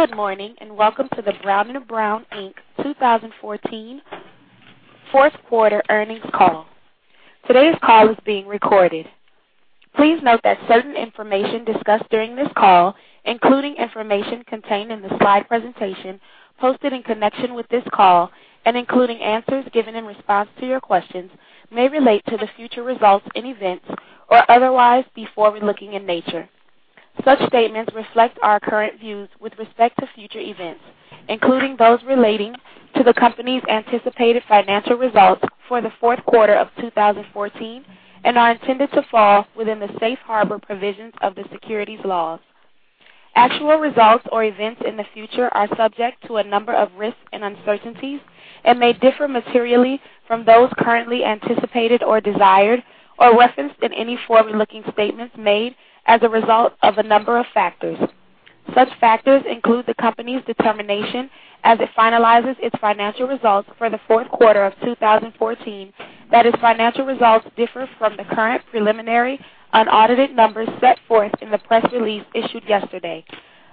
Good morning, and welcome to the Brown & Brown, Inc. 2014 fourth quarter earnings call. Today's call is being recorded. Please note that certain information discussed during this call, including information contained in the slide presentation posted in connection with this call and including answers given in response to your questions, may relate to the future results and events or otherwise be forward-looking in nature. Such statements reflect our current views with respect to future events, including those relating to the company's anticipated financial results for the fourth quarter of 2014, and are intended to fall within the safe harbor provisions of the securities laws. Actual results or events in the future are subject to a number of risks and uncertainties and may differ materially from those currently anticipated or desired or referenced in any forward-looking statements made as a result of a number of factors. Such factors include the company's determination as it finalizes its financial results for the fourth quarter of 2014, that its financial results differ from the current preliminary unaudited numbers set forth in the press release issued yesterday.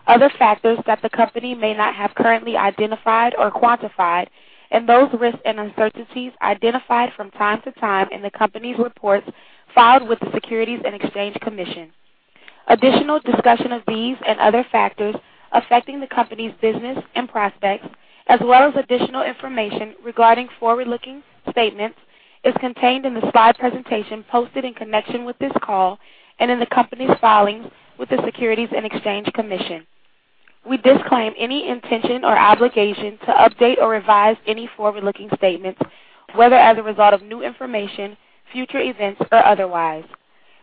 Other factors that the company may not have currently identified or quantified, and those risks and uncertainties identified from time to time in the company's reports filed with the Securities and Exchange Commission. Additional discussion of these and other factors affecting the company's business and prospects, as well as additional information regarding forward-looking statements, is contained in the slide presentation posted in connection with this call and in the company's filings with the Securities and Exchange Commission. We disclaim any intention or obligation to update or revise any forward-looking statements, whether as a result of new information, future events, or otherwise.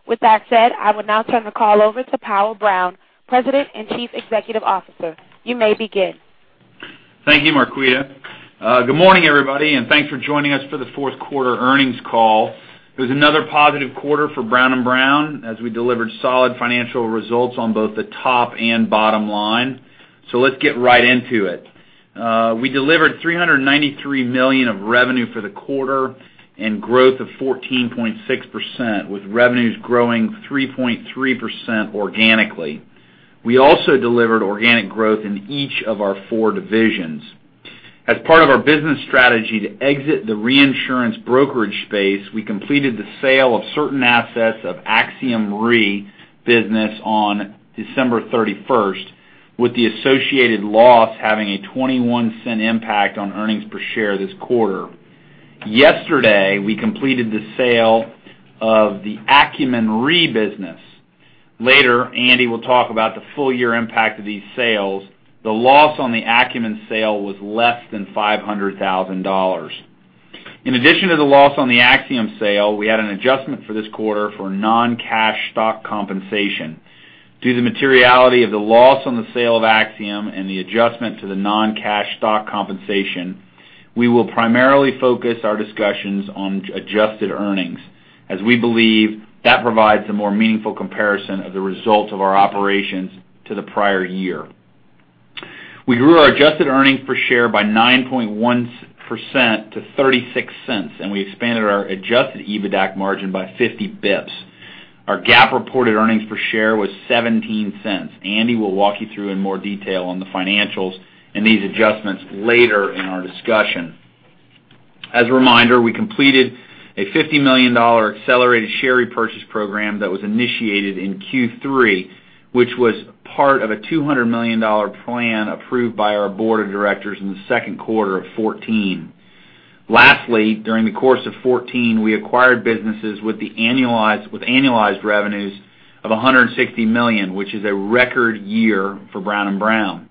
With that said, I will now turn the call over to Powell Brown, President and Chief Executive Officer. You may begin. Thank you, Marquita. Good morning, everybody, and thanks for joining us for the fourth quarter earnings call. It was another positive quarter for Brown & Brown as we delivered solid financial results on both the top and bottom line. Let's get right into it. We delivered $393 million of revenue for the quarter and growth of 14.6%, with revenues growing 3.3% organically. We also delivered organic growth in each of our four divisions. As part of our business strategy to exit the reinsurance brokerage space, we completed the sale of certain assets of Axiom Re business on December 31st, with the associated loss having a $0.21 impact on earnings per share this quarter. Yesterday, we completed the sale of the Acumen Re business. Later, Andy will talk about the full year impact of these sales. The loss on the Acumen sale was less than $500,000. In addition to the loss on the Axiom Re sale, we had an adjustment for this quarter for non-cash stock compensation. Due to the materiality of the loss on the sale of Axiom Re and the adjustment to the non-cash stock compensation, we will primarily focus our discussions on adjusted earnings, as we believe that provides a more meaningful comparison of the results of our operations to the prior year. We grew our adjusted earnings per share by 9.1% to $0.36, and we expanded our adjusted EBITDA margin by 50 basis points. Our GAAP reported earnings per share was $0.17. Andy will walk you through in more detail on the financials and these adjustments later in our discussion. As a reminder, we completed a $50 million accelerated share repurchase program that was initiated in Q3, which was part of a $200 million plan approved by our board of directors in the second quarter of 2014. Lastly, during the course of 2014, we acquired businesses with annualized revenues of $160 million, which is a record year for Brown & Brown.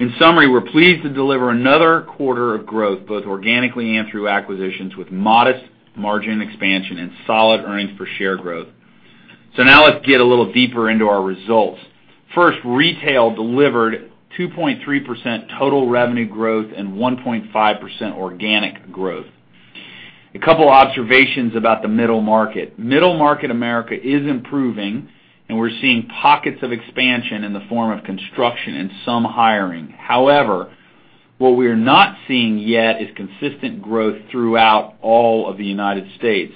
In summary, we are pleased to deliver another quarter of growth, both organically and through acquisitions, with modest margin expansion and solid earnings per share growth. Now let's get a little deeper into our results. First, retail delivered 2.3% total revenue growth and 1.5% organic growth. A couple observations about the Middle-market. Middle-market America is improving, and we are seeing pockets of expansion in the form of construction and some hiring. However, what we are not seeing yet is consistent growth throughout all of the U.S.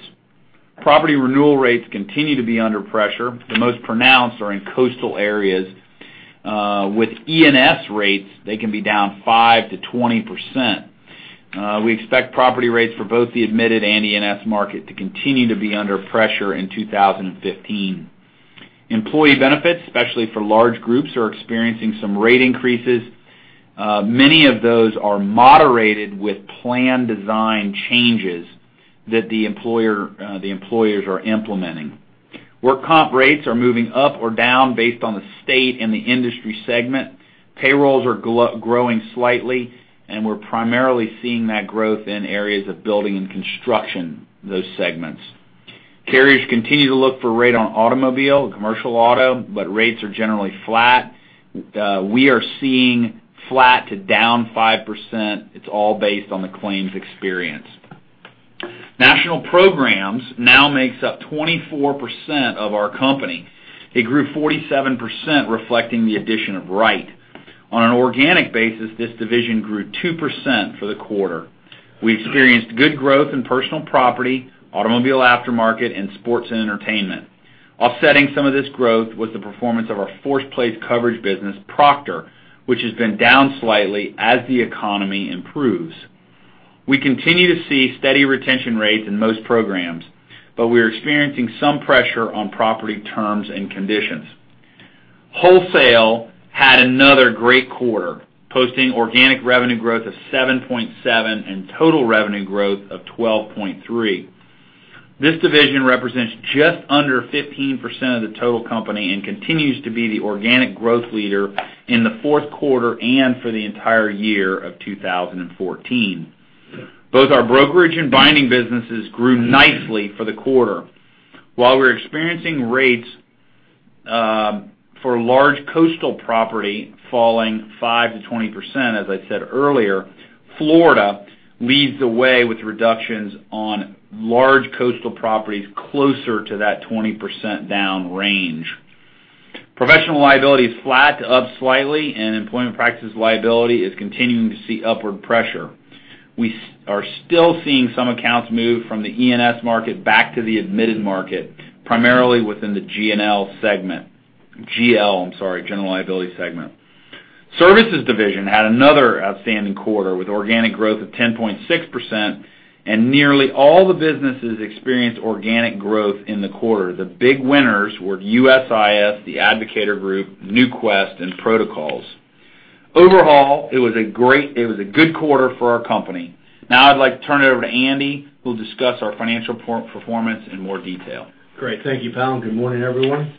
Property renewal rates continue to be under pressure. The most pronounced are in coastal areas. With E&S rates, they can be down 5%-20%. We expect property rates for both the admitted and E&S market to continue to be under pressure in 2015. Employee benefits, especially for large groups, are experiencing some rate increases. Many of those are moderated with plan design changes that the employers are implementing. Work comp rates are moving up or down based on the state and the industry segment. Payrolls are growing slightly, and we are primarily seeing that growth in areas of building and construction, those segments. Carriers continue to look for rate on automobile, commercial auto, but rates are generally flat. We are seeing flat to -5%. It is all based on the claims experience. National Programs now makes up 24% of our company. It grew 47%, reflecting the addition of Wright. On an organic basis, this division grew 2% for the quarter. We experienced good growth in personal property, automobile aftermarket, and sports and entertainment. Offsetting some of this growth was the performance of our force-placed coverage business, Proctor, which has been down slightly as the economy improves. We continue to see steady retention rates in most programs, but we are experiencing some pressure on property terms and conditions. Wholesale had another great quarter, posting organic revenue growth of 7.7% and total revenue growth of 12.3%. This division represents just under 15% of the total company and continues to be the organic growth leader in the fourth quarter and for the entire year of 2014. Both our brokerage and binding businesses grew nicely for the quarter. While we're experiencing rates for large coastal property falling 5%-20%, as I said earlier, Florida leads the way with reductions on large coastal properties closer to that 20% down range. Professional liability is flat to up slightly, employment practices liability is continuing to see upward pressure. We are still seeing some accounts move from the E&S market back to the admitted market, primarily within the GL segment. GL, I'm sorry, General Liability segment. Services Division had another outstanding quarter with organic growth of 10.6%, nearly all the businesses experienced organic growth in the quarter. The big winners were USIS, The Advocator Group, NuQuest, and Protocol. Overall, it was a good quarter for our company. I'd like to turn it over to Andy, who'll discuss our financial performance in more detail. Great. Thank you, Powell. Good morning, everyone.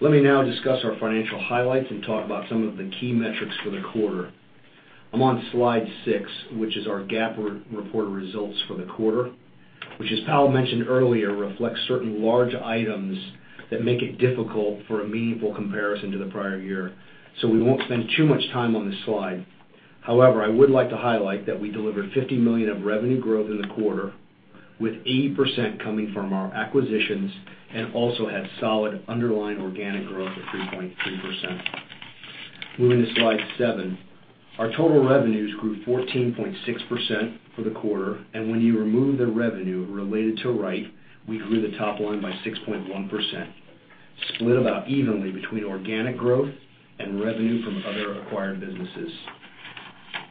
Let me now discuss our financial highlights and talk about some of the key metrics for the quarter. I'm on slide seven, which is our GAAP reported results for the quarter, which, as Powell mentioned earlier, reflects certain large items that make it difficult for a meaningful comparison to the prior year. We won't spend too much time on this slide. However, I would like to highlight that we delivered $50 million of revenue growth in the quarter, with 80% coming from our acquisitions, also had solid underlying organic growth of 3.3%. Moving to slide seven, our total revenues grew 14.6% for the quarter, when you remove the revenue related to Wright, we grew the top line by 6.1%, split about evenly between organic growth and revenue from other acquired businesses.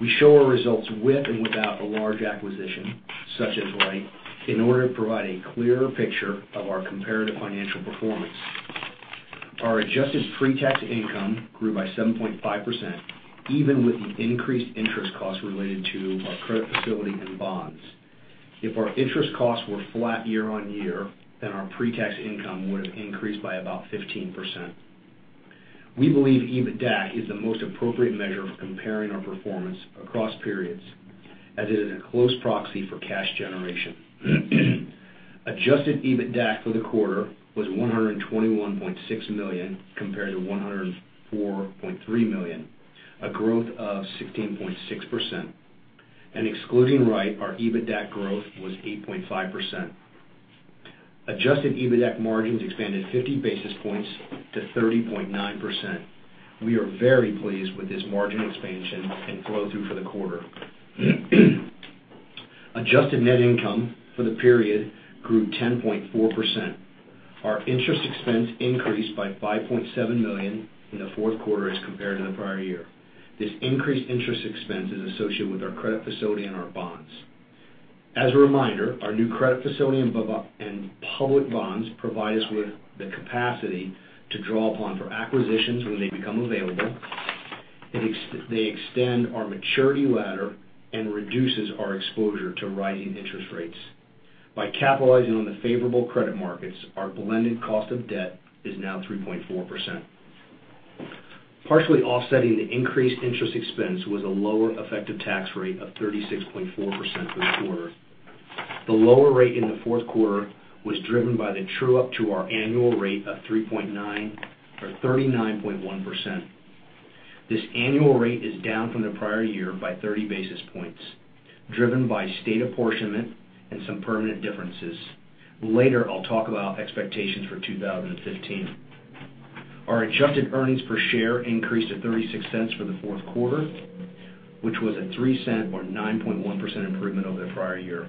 We show our results with and without a large acquisition, such as Wright, in order to provide a clearer picture of our comparative financial performance. Our adjusted pre-tax income grew by 7.5%, even with the increased interest costs related to our credit facility and bonds. If our interest costs were flat year-on-year, our pre-tax income would have increased by about 15%. We believe EBITDAC is the most appropriate measure for comparing our performance across periods, as it is a close proxy for cash generation. Adjusted EBITDAC for the quarter was $121.6 million, compared to $104.3 million, a growth of 16.6%. Excluding Wright, our EBITDAC growth was 8.5%. Adjusted EBITDAC margins expanded 50 basis points to 30.9%. We are very pleased with this margin expansion and flow-through for the quarter. Adjusted net income for the period grew 10.4%. Our interest expense increased by $5.7 million in the fourth quarter as compared to the prior year. This increased interest expense is associated with our credit facility and our bonds. As a reminder, our new credit facility and public bonds provide us with the capacity to draw upon for acquisitions when they become available. They extend our maturity ladder and reduces our exposure to rising interest rates. By capitalizing on the favorable credit markets, our blended cost of debt is now 3.4%. Partially offsetting the increased interest expense was a lower effective tax rate of 36.4% for the quarter. The lower rate in the fourth quarter was driven by the true-up to our annual rate of 39.1%. This annual rate is down from the prior year by 30 basis points, driven by state apportionment and some permanent differences. Later, I'll talk about expectations for 2015. Our adjusted earnings per share increased to $0.36 for the fourth quarter, which was a $0.03 or 9.1% improvement over the prior year.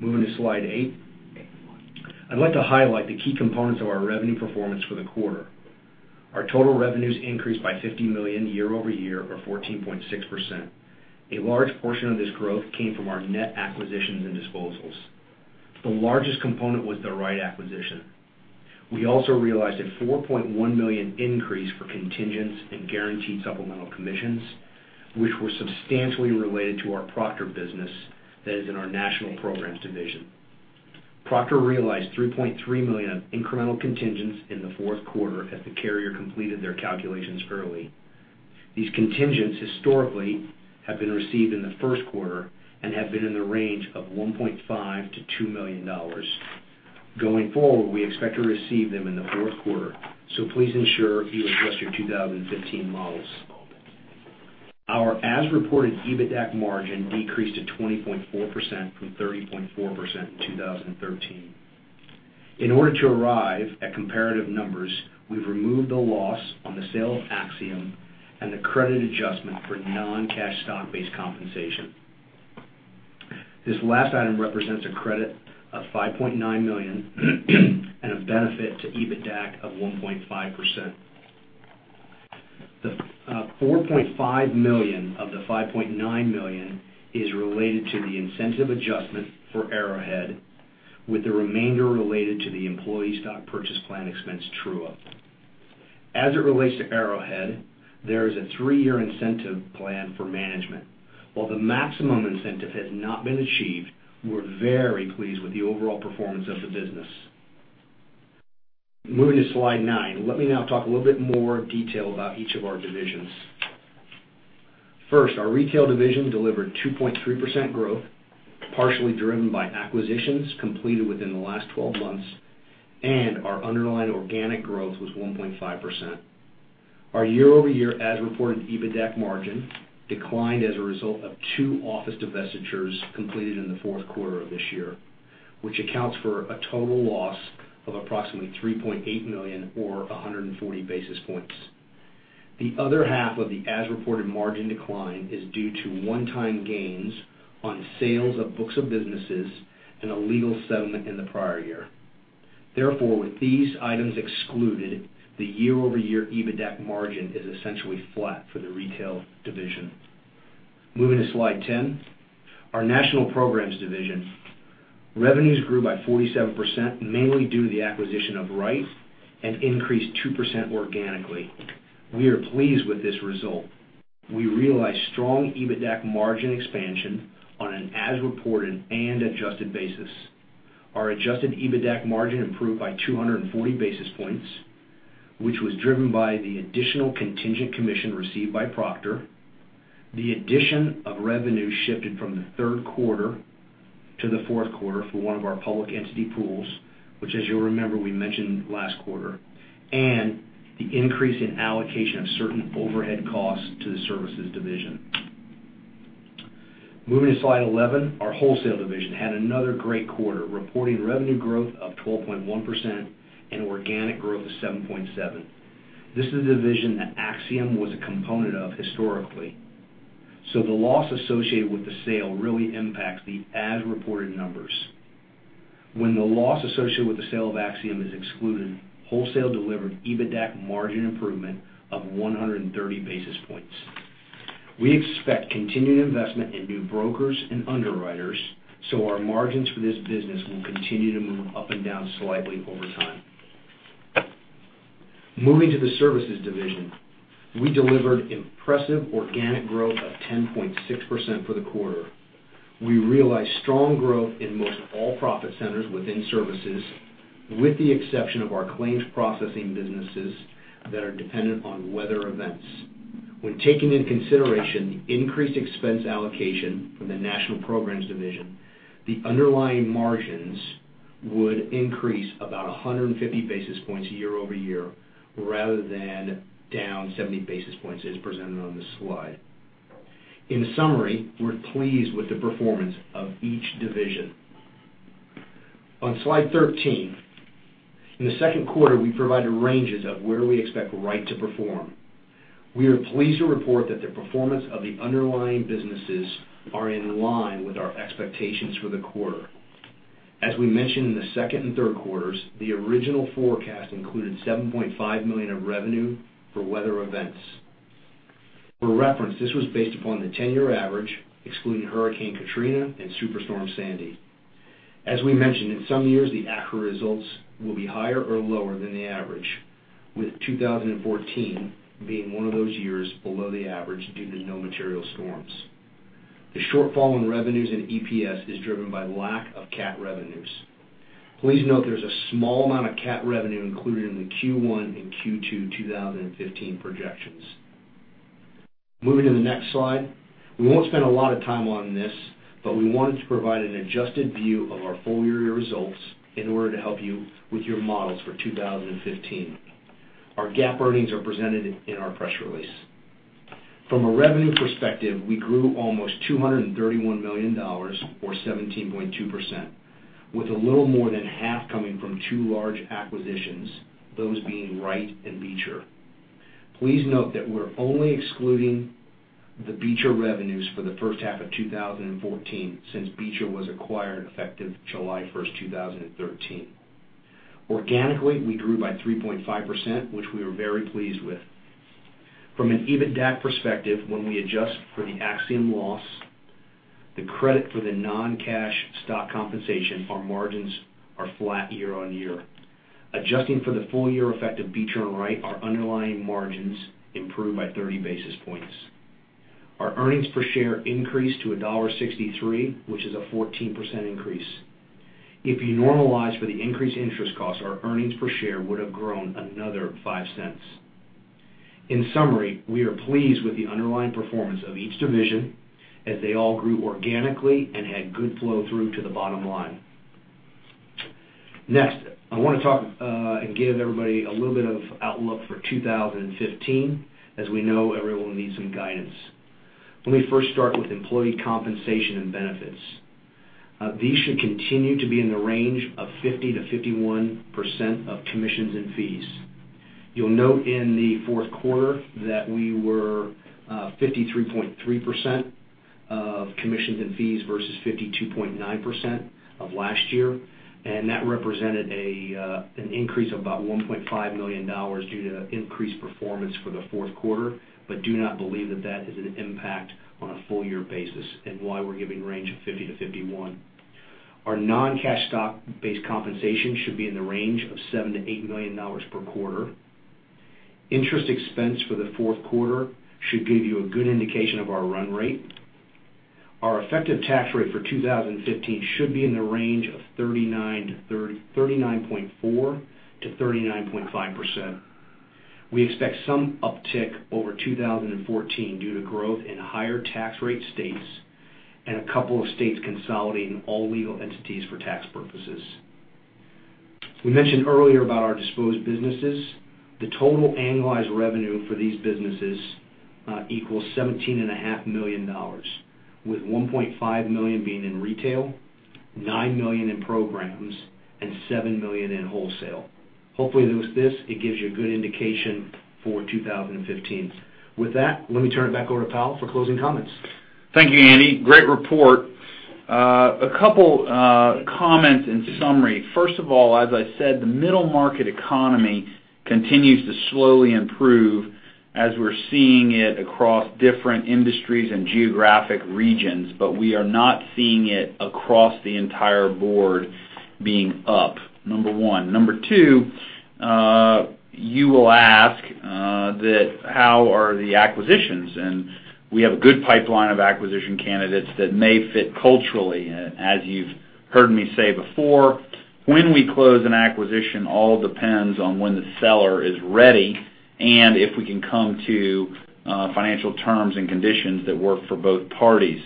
Moving to slide eight. I'd like to highlight the key components of our revenue performance for the quarter. Our total revenues increased by $50 million year over year, or 14.6%. A large portion of this growth came from our net acquisitions and disposals. The largest component was the Wright acquisition. We also realized a $4.1 million increase for contingents and guaranteed supplemental commissions, which were substantially related to our Proctor business that is in our National Programs division. Proctor realized $3.3 million of incremental contingents in the fourth quarter as the carrier completed their calculations early. These contingents historically have been received in the first quarter and have been in the range of $1.5 million-$2 million. Going forward, we expect to receive them in the fourth quarter. Please ensure you adjust your 2015 models. Our as-reported EBITDAC margin decreased to 20.4% from 30.4% in 2013. In order to arrive at comparative numbers, we've removed the loss on the sale of Axiom Re and the credit adjustment for non-cash stock-based compensation. This last item represents a credit of $5.9 million and a benefit to EBITDAC of 1.5%. The $4.5 million of the $5.9 million is related to the incentive adjustment for Arrowhead, with the remainder related to the employee stock purchase plan expense true-up. As it relates to Arrowhead, there is a three-year incentive plan for management. While the maximum incentive has not been achieved, we're very pleased with the overall performance of the business. Moving to slide nine, let me now talk a little bit more detail about each of our divisions. First, our Retail division delivered 2.3% growth, partially driven by acquisitions completed within the last 12 months, and our underlying organic growth was 1.5%. Our year-over-year, as-reported EBITDAC margin declined as a result of two office divestitures completed in the fourth quarter of this year, which accounts for a total loss of approximately $3.8 million or 140 basis points. The other half of the as-reported margin decline is due to one-time gains on sales of books of businesses and a legal settlement in the prior year. With these items excluded, the year-over-year EBITDAC margin is essentially flat for the Retail division. Moving to slide 10, our National Programs division. Revenues grew by 47%, mainly due to the acquisition of Wright and increased 2% organically. We are pleased with this result. We realized strong EBITDAC margin expansion on an as-reported and adjusted basis. Our adjusted EBITDAC margin improved by 240 basis points, which was driven by the additional contingent commission received by Proctor, the addition of revenue shifted from the third quarter to the fourth quarter for one of our public entity pools, which as you'll remember, we mentioned last quarter, and the increase in allocation of certain overhead costs to the Services division. Moving to slide 11, our Wholesale division had another great quarter, reporting revenue growth of 12.1% and organic growth of 7.7%. The loss associated with the sale really impacts the as-reported numbers. When the loss associated with the sale of Axiom Re is excluded, Wholesale delivered EBITDAC margin improvement of 130 basis points. We expect continued investment in new brokers and underwriters, our margins for this business will continue to move up and down slightly over time. Moving to the services division, we delivered impressive organic growth of 10.6% for the quarter. We realized strong growth in most all profit centers within services, with the exception of our claims processing businesses that are dependent on weather events. When taking into consideration the increased expense allocation from the national programs division, the underlying margins would increase about 150 basis points year-over-year rather than down 70 basis points as presented on this slide. In summary, we're pleased with the performance of each division. On slide 13, in the second quarter, we provided ranges of where we expect Wright to perform. We are pleased to report that the performance of the underlying businesses are in line with our expectations for the quarter. As we mentioned in the second and third quarters, the original forecast included $7.5 million of revenue for weather events. For reference, this was based upon the 10-year average, excluding Hurricane Katrina and Superstorm Sandy. As we mentioned, in some years, the ACUR results will be higher or lower than the average, with 2014 being one of those years below the average due to no material storms. The shortfall in revenues and EPS is driven by lack of cat revenues. Please note there's a small amount of cat revenue included in the Q1 and Q2 2015 projections. Moving to the next slide. We won't spend a lot of time on this, but we wanted to provide an adjusted view of our full year results in order to help you with your models for 2015. Our GAAP earnings are presented in our press release. From a revenue perspective, we grew almost $231 million, or 17.2%, with a little more than half coming from two large acquisitions, those being Wright and Beecher. Please note that we're only excluding the Beecher revenues for the first half of 2014, since Beecher was acquired effective July 1st, 2013. Organically, we grew by 3.5%, which we were very pleased with. From an EBITDAC perspective, when we adjust for the Axiom Re loss, the credit for the non-cash stock compensation, our margins are flat year-on-year. Adjusting for the full year effect of Beecher and Wright, our underlying margins improved by 30 basis points. Our earnings per share increased to $1.63, which is a 14% increase. If you normalize for the increased interest costs, our earnings per share would have grown another $0.05. In summary, we are pleased with the underlying performance of each division as they all grew organically and had good flow through to the bottom line. I want to talk and give everybody a little bit of outlook for 2015, as we know everyone will need some guidance. Let me first start with employee compensation and benefits. These should continue to be in the range of 50%-51% of commissions and fees. You'll note in the fourth quarter that we were 53.3% of commissions and fees, versus 52.9% of last year. That represented an increase of about $1.5 million due to increased performance for the fourth quarter, but do not believe that that is an impact on a full year basis and why we're giving range of 50%-51%. Our non-cash stock-based compensation should be in the range of $7 million-$8 million per quarter. Interest expense for the fourth quarter should give you a good indication of our run rate. Our effective tax rate for 2015 should be in the range of 39.4%-39.5%. We expect some uptick over 2014 due to growth in higher tax rate states and a couple of states consolidating all legal entities for tax purposes. We mentioned earlier about our disposed businesses. The total annualized revenue for these businesses equals $17.5 million, with $1.5 million being in retail, $9 million in programs, and $7 million in wholesale. Hopefully with this, it gives you a good indication for 2015. With that, let me turn it back over to Powell for closing comments. Thank you, Andy. Great report. A couple comments in summary. First of all, as I said, the middle market economy continues to slowly improve as we're seeing it across different industries and geographic regions. We are not seeing it across the entire board being up, number one. Number two, you will ask that how are the acquisitions. We have a good pipeline of acquisition candidates that may fit culturally. As you've heard me say before, when we close an acquisition, all depends on when the seller is ready and if we can come to financial terms and conditions that work for both parties.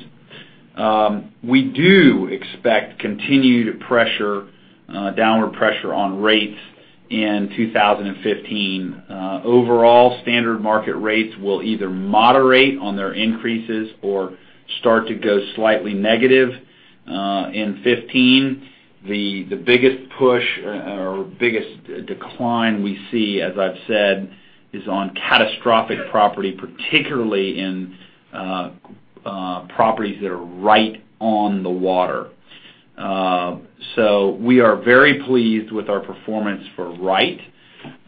We do expect continued downward pressure on rates in 2015. Overall, standard market rates will either moderate on their increases or start to go slightly negative in 2015. The biggest push or biggest decline we see, as I've said, is on catastrophic property, particularly in properties that are right on the water. We are very pleased with our performance for Wright.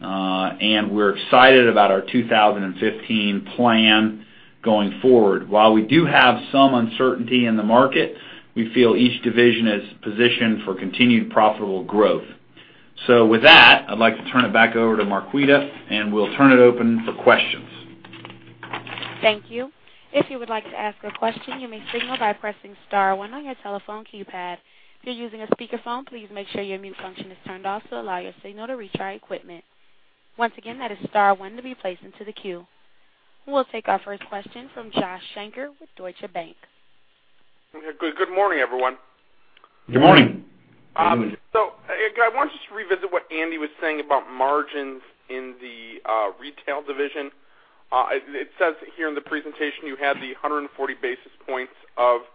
We're excited about our 2015 plan going forward. While we do have some uncertainty in the market, we feel each division is positioned for continued profitable growth. With that, I'd like to turn it back over to Marquita, and we'll turn it open for questions. Thank you. If you would like to ask a question, you may signal by pressing *1 on your telephone keypad. If you're using a speakerphone, please make sure your mute function is turned off to allow your signal to reach our equipment. Once again, that is *1 to be placed into the queue. We'll take our first question from Joshua Shanker with Deutsche Bank. Good morning, everyone. Good morning. Good morning. I wanted to just revisit what Andy was saying about margins in the retail division. It says here in the presentation you had the 140 basis points of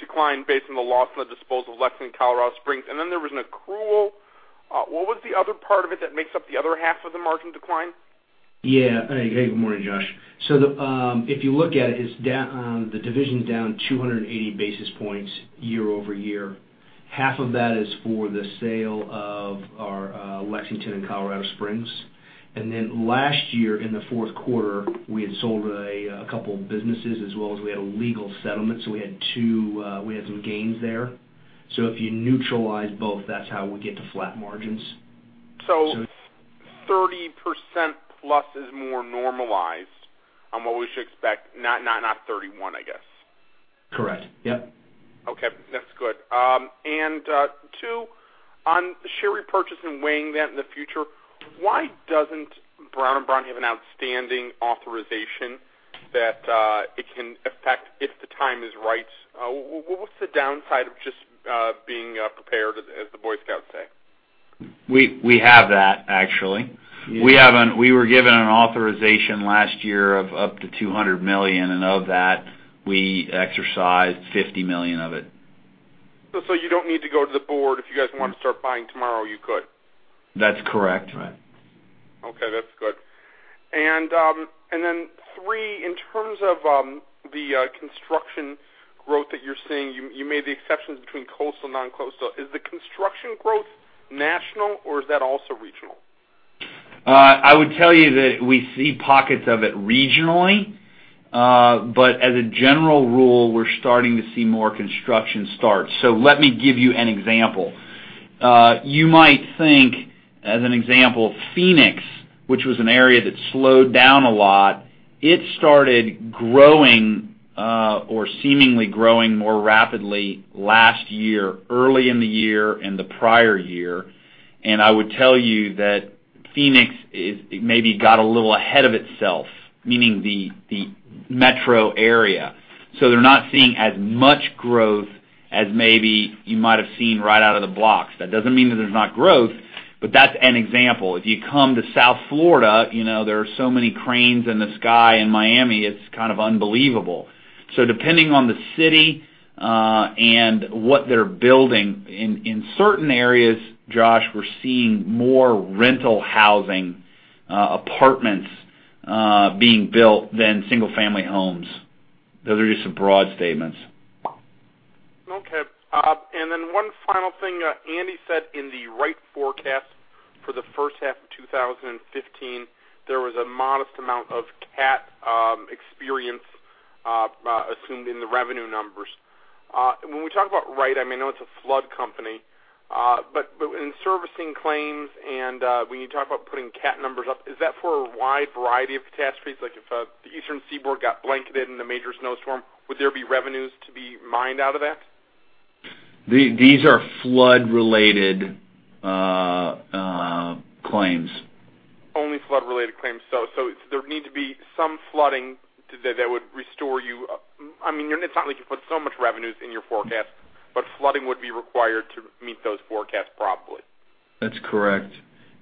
decline based on the loss of the disposal of Lexington and Colorado Springs. Then there was an accrual. What was the other part of it that makes up the other half of the margin decline? Good morning, Josh. If you look at it, the division's down 280 basis points year-over-year. Half of that is for the sale of our Lexington and Colorado Springs. Last year in the fourth quarter, we had sold a couple of businesses as well as we had a legal settlement, we had some gains there. If you neutralize both, that's how we get to flat margins. 30% plus is more normalized on what we should expect, not 31%, I guess. Correct. Yep. Okay, that's good. Two, on share repurchase and weighing that in the future, why doesn't Brown & Brown have an outstanding authorization that it can effect if the time is right? What's the downside of just being prepared, as the Boy Scouts say? We have that, actually. Yeah. We were given an authorization last year of up to $200 million, and of that, we exercised $50 million of it. You don't need to go to the board. If you guys want to start buying tomorrow, you could. That's correct. Right. Okay, that's good. Three, in terms of the construction growth that you're seeing, you made the exceptions between coastal and non-coastal. Is the construction growth national, or is that also regional? I would tell you that we see pockets of it regionally. As a general rule, we're starting to see more construction starts. Let me give you an example. You might think, as an example, Phoenix, which was an area that slowed down a lot, it started growing, or seemingly growing more rapidly last year, early in the year and the prior year. I would tell you that Phoenix maybe got a little ahead of itself, meaning the metro area. They're not seeing as much growth as maybe you might have seen right out of the blocks. That doesn't mean that there's not growth. That's an example. If you come to South Florida, there are so many cranes in the sky in Miami, it's kind of unbelievable. Depending on the city, and what they're building, in certain areas, Josh, we're seeing more rental housing apartments being built than single-family homes. Those are just some broad statements. Okay. One final thing. Andy said in the Wright forecast for the first half of 2015, there was a modest amount of cat experience assumed in the revenue numbers. When we talk about Wright, I know it's a flood company. In servicing claims and when you talk about putting cat numbers up, is that for a wide variety of catastrophes? Like if the Eastern Seaboard got blanketed in a major snowstorm, would there be revenues to be mined out of that? These are flood-related claims. Only flood-related claims. There'd need to be some flooding that would restore you. It's not like you put so much revenues in your forecast, but flooding would be required to meet those forecasts properly. That's correct.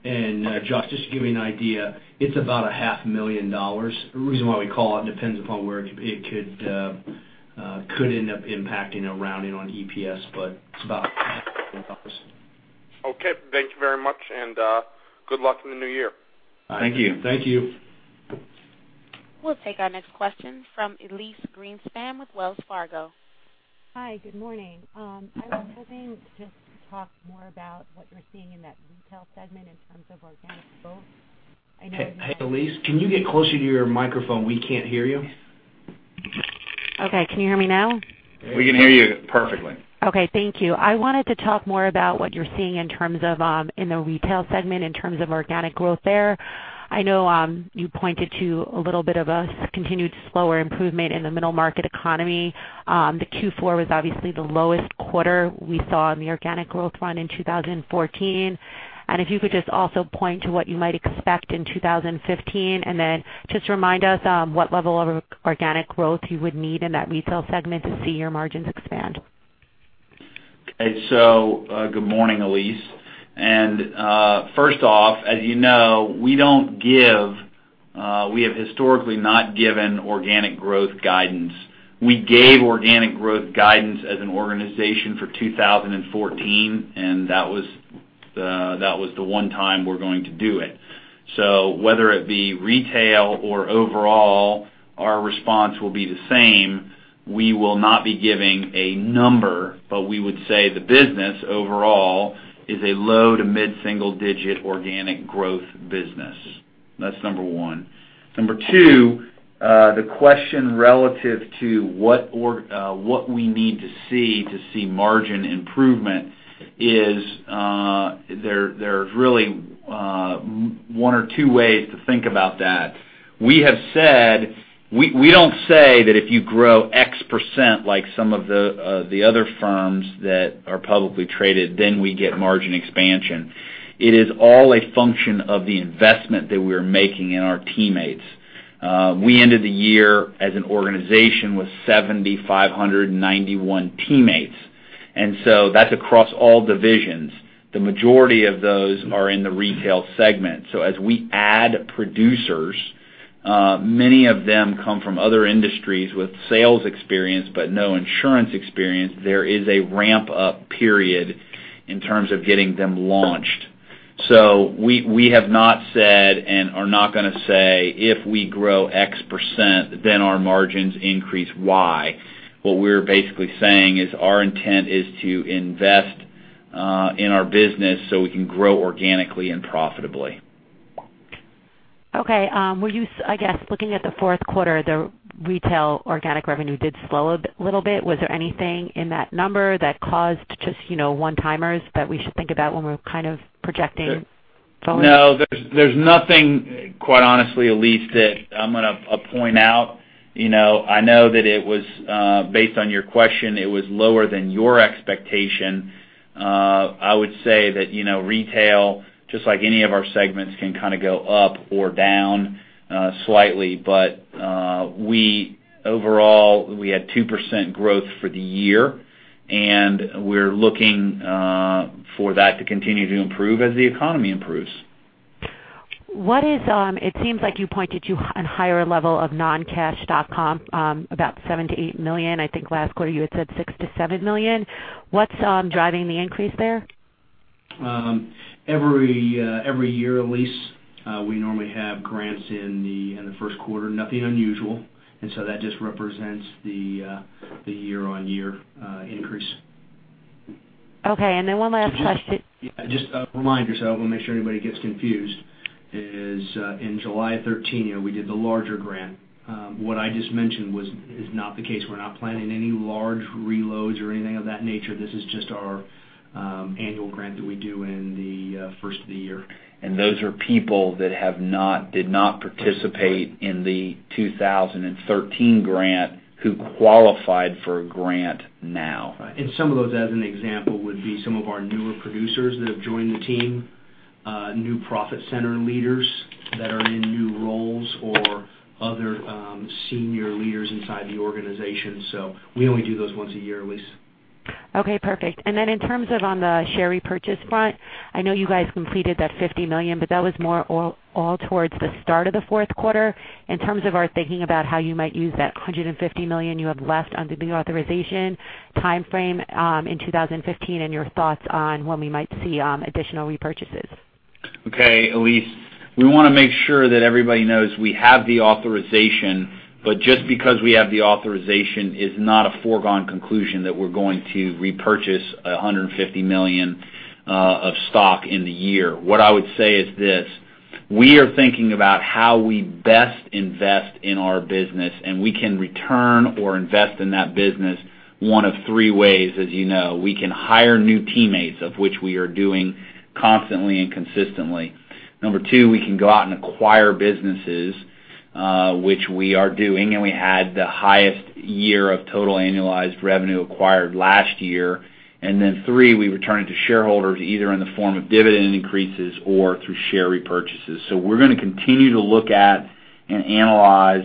Josh, just to give you an idea, it's about a half million dollars. The reason why we call it depends upon where it could end up impacting a rounding on EPS, but it's about half million dollars. Okay. Thank you very much, and good luck in the new year. Thank you. Thank you. We'll take our next question from Elyse Greenspan with Wells Fargo. Hi. Good morning. I was hoping to talk more about what you're seeing in that retail segment in terms of organic growth. I know. Hey, Elyse, can you get closer to your microphone? We can't hear you. Okay. Can you hear me now? We can hear you perfectly. Okay. Thank you. I wanted to talk more about what you're seeing in the retail segment in terms of organic growth there. I know you pointed to a little bit of a continued slower improvement in the middle market economy. The Q4 was obviously the lowest quarter we saw on the organic growth front in 2014. If you could just also point to what you might expect in 2015, and then just remind us what level of organic growth you would need in that retail segment to see your margins expand. Okay. Good morning, Elyse. First off, as you know, we have historically not given organic growth guidance. We gave organic growth guidance as an organization for 2014, and that was the one time we're going to do it. Whether it be retail or overall, our response will be the same. We will not be giving a number, but we would say the business overall is a low to mid-single digit organic growth business. That's number one. Number two, the question relative to what we need to see to see margin improvement is, there's really one or two ways to think about that. We don't say that if you grow X% like some of the other firms that are publicly traded, then we get margin expansion. It is all a function of the investment that we're making in our teammates. We ended the year as an organization with 7,591 teammates, that's across all divisions. The majority of those are in the retail segment. As we add producers, many of them come from other industries with sales experience but no insurance experience. There is a ramp up period in terms of getting them launched. We have not said and are not going to say if we grow X%, then our margins increase Y. What we're basically saying is our intent is to invest in our business so we can grow organically and profitably. Okay. I guess looking at the fourth quarter, the retail organic revenue did slow a little bit. Was there anything in that number that caused just one-timers that we should think about when we're kind of projecting forward? No, there's nothing, quite honestly, Elyse, that I'm going to point out. I know that based on your question, it was lower than your expectation. I would say that retail, just like any of our segments, can kind of go up or down slightly. Overall, we had 2% growth for the year, and we're looking for that to continue to improve as the economy improves. It seems like you pointed to a higher level of non-cash stock comp, about $7 million-$8 million. I think last quarter you had said $6 million-$7 million. What's driving the increase there? Every year, Elyse, we normally have grants in the first quarter, nothing unusual. That just represents the year-over-year increase. Okay, one last question. Just a reminder, I want to make sure anybody gets confused, is in July 2013, we did the larger grant. What I just mentioned is not the case. We're not planning any large reloads or anything of that nature. This is just our annual grant that we do in the first of the year. Those are people that did not participate in the 2013 grant who qualified for a grant now. Right. Some of those, as an example, would be some of our newer producers that have joined the team, new profit center leaders that are in new roles or other senior leaders inside the organization. We only do those once a year, Elyse. Okay, perfect. In terms of on the share repurchase front, I know you guys completed that $50 million, but that was more all towards the start of the fourth quarter. In terms of our thinking about how you might use that $150 million you have left under the authorization timeframe in 2015 and your thoughts on when we might see additional repurchases. Okay, Elyse. Just because we have the authorization is not a foregone conclusion that we're going to repurchase $150 million of stock in the year. What I would say is this. We are thinking about how we best invest in our business, and we can return or invest in that business one of three ways, as you know. We can hire new teammates, of which we are doing constantly and consistently. Number 2, we can go out and acquire businesses, which we are doing, and we had the highest year of total annualized revenue acquired last year. Then 3, we return it to shareholders, either in the form of dividend increases or through share repurchases. We're going to continue to look at and analyze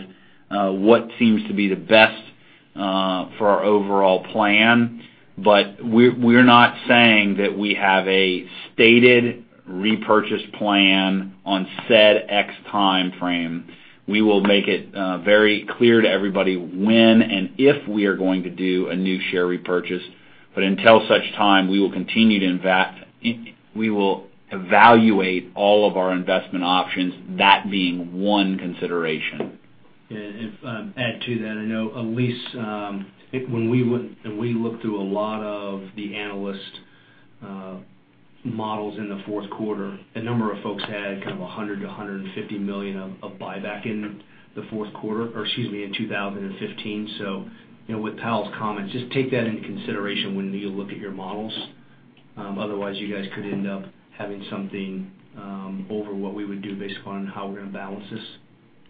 what seems to be the best for our overall plan. We're not saying that we have a stated repurchase plan on said X timeframe. We will make it very clear to everybody when and if we are going to do a new share repurchase. Until such time, we will evaluate all of our investment options, that being one consideration. Yeah. If I add to that, I know, Elyse, when we look through a lot of the analyst models in the fourth quarter, a number of folks had kind of $100 million-$150 million of buyback in the fourth quarter, or excuse me, in 2015. With J. Powell Brown's comments, just take that into consideration when you look at your models. Otherwise, you guys could end up having something over what we would do based on how we're going to balance this.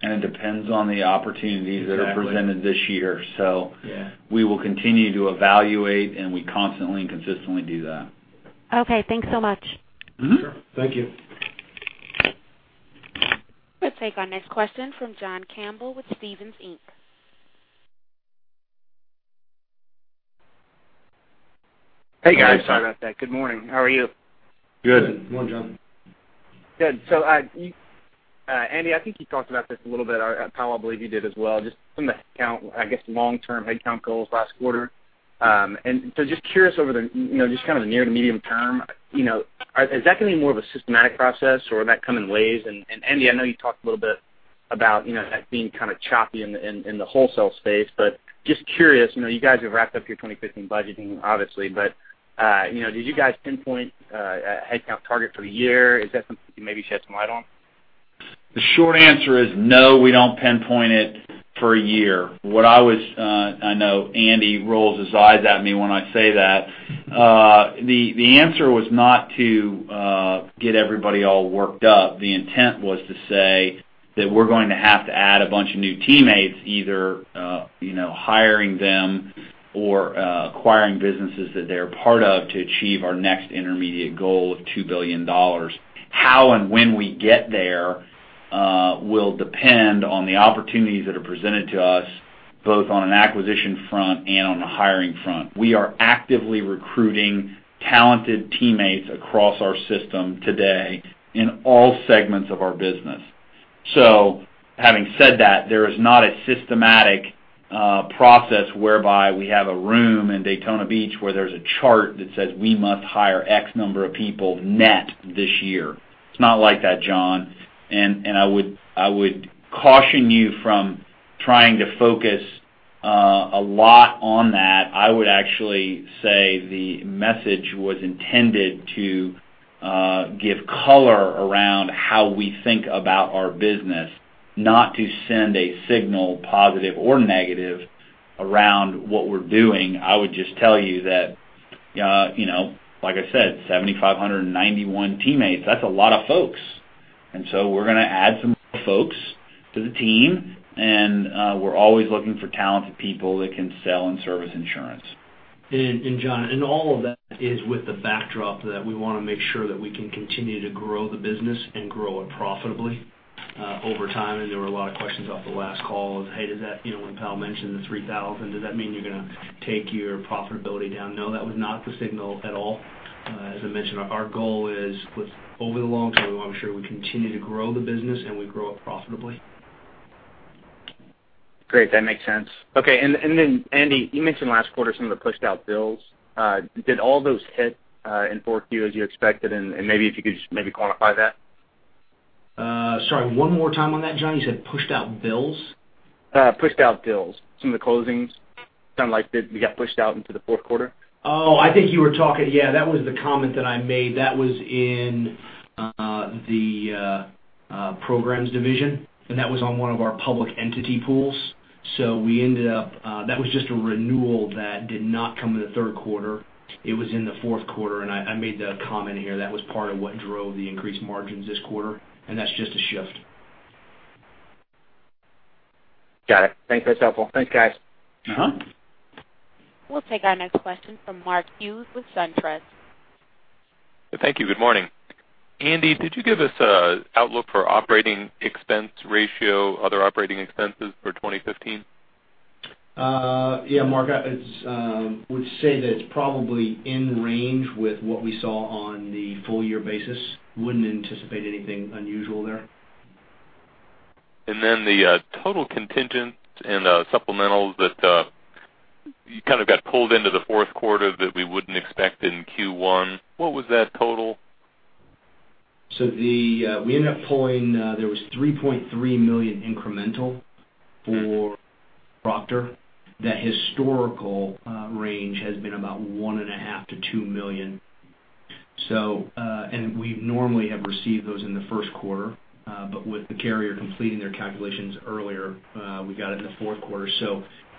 It depends on the opportunities that are presented this year. Exactly. Yeah. We will continue to evaluate, and we constantly and consistently do that. Okay, thanks so much. Sure. Thank you. We'll take our next question from John Campbell with Stephens. Hey, guys. Sorry about that. Good morning. How are you? Good morning, John. Good. Andy, I think you talked about this a little bit. Powell, I believe you did as well, just some of the, I guess, long-term headcount goals last quarter. Just curious over the just kind of the near to medium term, is that going to be more of a systematic process or that come in waves? Andy, I know you talked a little bit about that being kind of choppy in the wholesale space, but just curious, you guys have wrapped up your 2015 budgeting obviously, but did you guys pinpoint a headcount target for the year? Is that something you maybe shed some light on? The short answer is no, we don't pinpoint it for a year. I know Andy rolls his eyes at me when I say that. The answer was not to get everybody all worked up. The intent was to say that we're going to have to add a bunch of new teammates, either hiring them or acquiring businesses that they're part of to achieve our next intermediate goal of $2 billion. How and when we get there will depend on the opportunities that are presented to us, both on an acquisition front and on the hiring front. We are actively recruiting talented teammates across our system today in all segments of our business. Having said that, there is not a systematic process whereby we have a room in Daytona Beach where there's a chart that says we must hire X number of people net this year. It's not like that, John. I would caution you from trying to focus a lot on that. I would actually say the message was intended to give color around how we think about our business, not to send a signal, positive or negative, around what we're doing. I would just tell you that, like I said, 7,591 teammates, that's a lot of folks. We're going to add some more folks to the team, and we're always looking for talented people that can sell and service insurance. John, all of that is with the backdrop that we want to make sure that we can continue to grow the business and grow it profitably over time. There were a lot of questions off the last call of, hey, when Powell mentioned the 3,000, does that mean you're going to take your profitability down? No, that was not the signal at all. As I mentioned, our goal is with over the long term, I want to make sure we continue to grow the business and we grow it profitably. Great. That makes sense. Okay. Then Andy, you mentioned last quarter some of the pushed-out bills. Did all those hit in Q4 as you expected? And maybe if you could just maybe quantify that. Sorry, one more time on that, John. You said pushed-out bills? Pushed-out bills. Some of the closings, sounded like they got pushed out into the fourth quarter. Oh, I think you were talking-- yeah, that was the comment that I made. That was in the Programs Division, and that was on one of our public entity pools. We ended up, that was just a renewal that did not come in the third quarter. It was in the fourth quarter. I made the comment here. That was part of what drove the increased margins this quarter. That's just a shift. Got it. Thanks. That's helpful. Thanks, guys. We'll take our next question from Mark Hughes with SunTrust. Thank you. Good morning. Andy, could you give us an outlook for operating expense ratio, other operating expenses for 2015? Yeah, Mark, I would say that it's probably in range with what we saw on the full year basis. Wouldn't anticipate anything unusual there. The total contingents and supplementals that kind of got pulled into the fourth quarter that we wouldn't expect in Q1. What was that total? We ended up pulling, there was $3.3 million incremental for Proctor. That historical range has been about $1.5 million-$2 million. We normally have received those in the first quarter. With the carrier completing their calculations earlier, we got it in the fourth quarter.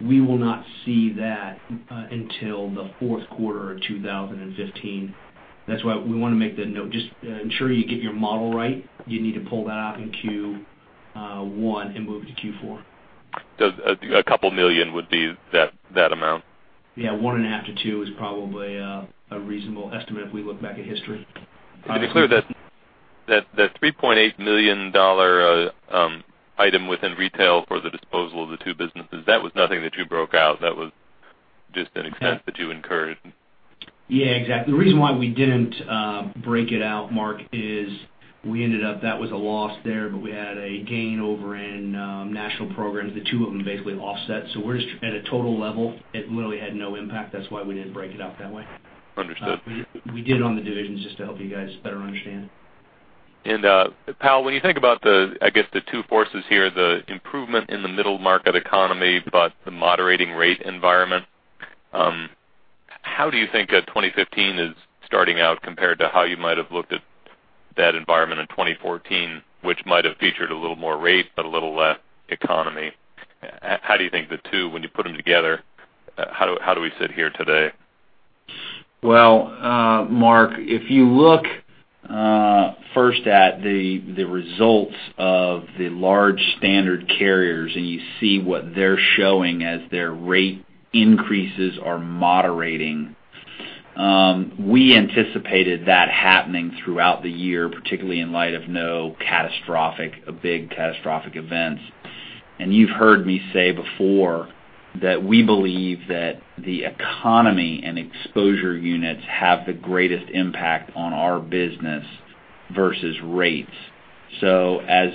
We will not see that until the fourth quarter of 2015. That's why we want to make that note. Just ensure you get your model right. You need to pull that out in Q1 and move it to Q4. A couple of million would be that amount? Yeah, $1.5 million-$2 million is probably a reasonable estimate if we look back at history. To be clear, that $3.8 million item within retail for the disposal of the two businesses, that was nothing that you broke out. That was just an expense that you incurred. Yeah, exactly. The reason why we didn't break it out, Mark, is we ended up, that was a loss there, but we had a gain over in National Programs. The two of them basically offset. At a total level, it literally had no impact. That's why we didn't break it out that way. Understood. We did it on the divisions just to help you guys better understand. Powell, when you think about the, I guess, the two forces here, the improvement in the middle market economy, but the moderating rate environment, how do you think 2015 is starting out compared to how you might have looked at that environment in 2014, which might have featured a little more rate, but a little less economy? How do you think the two, when you put them together, how do we sit here today? Well, Mark, if you look first at the results of the large standard carriers, you see what they're showing as their rate increases are moderating. We anticipated that happening throughout the year, particularly in light of no catastrophic, or big catastrophic events. You've heard me say before that we believe that the economy and exposure units have the greatest impact on our business versus rates. As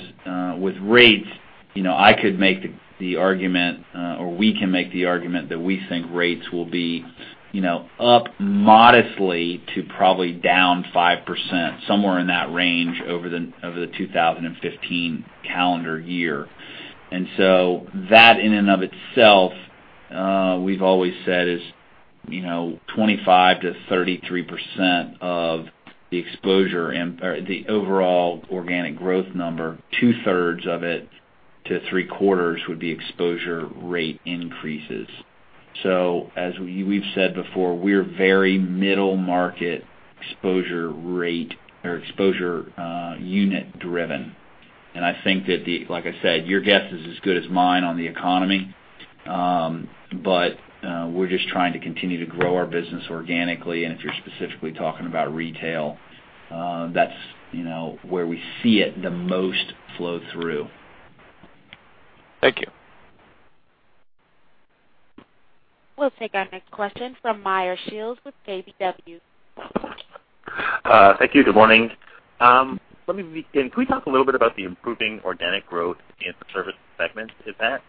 with rates, I could make the argument, or we can make the argument that we think rates will be up modestly to probably down 5%, somewhere in that range over the 2015 calendar year. That, in and of itself, we've always said is 25%-33% of the exposure and the overall organic growth number, two thirds of it to three quarters would be exposure rate increases. As we've said before, we're very middle market exposure rate or exposure unit driven. I think that, like I said, your guess is as good as mine on the economy. We're just trying to continue to grow our business organically, and if you're specifically talking about retail, that's where we see it the most flow through. Thank you. We'll take our next question from Meyer Shields with KBW. Thank you. Good morning. Can we talk a little bit about the improving organic growth in the service segment? Is that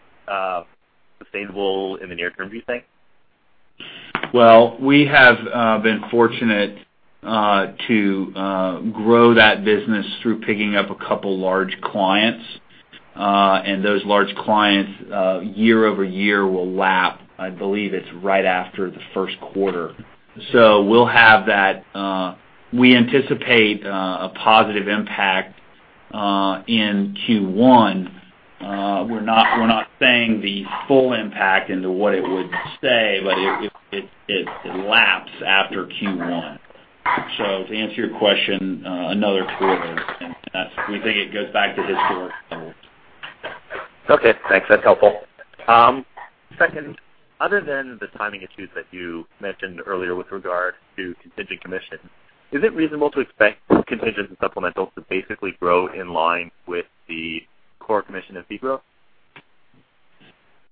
sustainable in the near term, do you think? Well, we have been fortunate to grow that business through picking up a couple of large clients. Those large clients, year-over-year, will lap, I believe it's right after the first quarter. We'll have that. We anticipate a positive impact in Q1. We're not saying the full impact into what it would say, but it laps after Q1. To answer your question, another two or three there. We think it goes back to historical levels. Okay, thanks. That's helpful. Second, other than the timing issues that you mentioned earlier with regard to contingent commission, is it reasonable to expect contingents and supplementals to basically grow in line with the core commission and fee growth?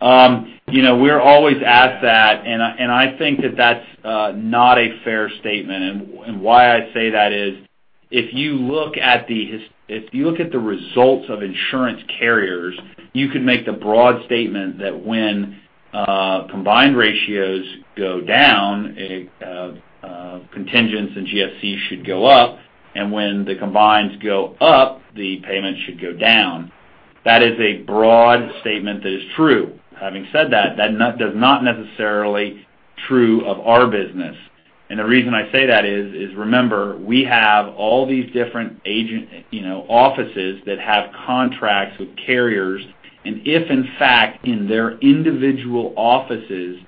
We're always asked that, I think that that's not a fair statement. Why I say that is, if you look at the results of insurance carriers, you could make the broad statement that when combined ratios go down, contingents and GSC should go up, when the combines go up, the payments should go down. That is a broad statement that is true. Having said that does not necessarily true of our business. The reason I say that is, remember, we have all these different agent offices that have contracts with carriers, if in fact in their individual offices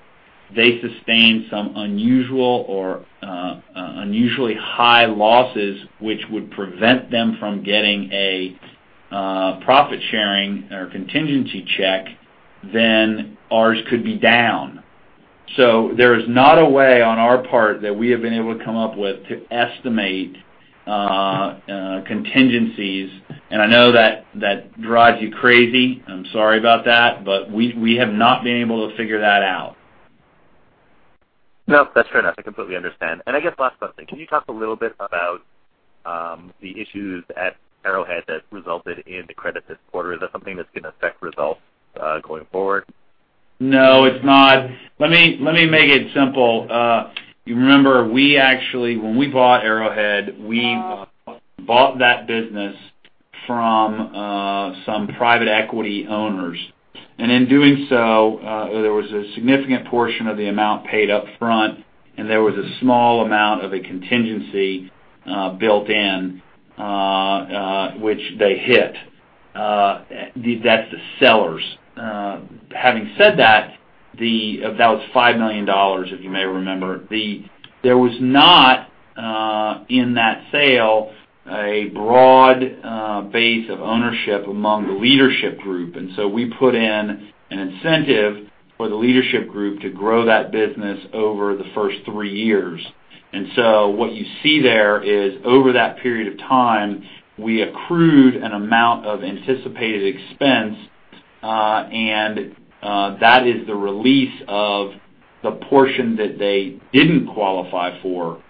they sustain some unusual or unusually high losses, which would prevent them from getting a profit sharing or contingency check, then ours could be down. There is not a way on our part that we have been able to come up with to estimate contingencies, and I know that drives you crazy. I'm sorry about that, but we have not been able to figure that out. No, that's fair enough. I completely understand. I guess last question. Can you talk a little bit about the issues at Arrowhead that resulted in the credit this quarter? Is that something that's going to affect results going forward? No, it's not. Let me make it simple. You remember, when we bought Arrowhead, we bought that business from some private equity owners. In doing so, there was a significant portion of the amount paid up front, and there was a small amount of a contingency built in, which they hit. That's the sellers. Having said that was $5 million, if you may remember. There was not, in that sale, a broad base of ownership among the leadership group, so we put in an incentive for the leadership group to grow that business over the first three years. What you see there is, over that period of time, we accrued an amount of anticipated expense, and that is the release of the portion that they didn't qualify for.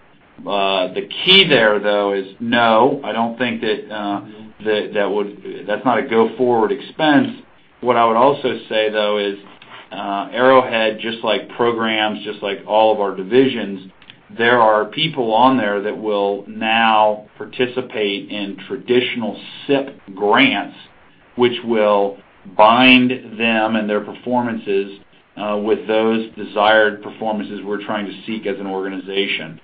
The key there, though, is no, that's not a go-forward expense. What I would also say, though, is Arrowhead, just like Programs, just like all of our divisions, there are people on there that will now participate in traditional SIP grants, which will bind them and their performances with those desired performances we're trying to seek as an organization.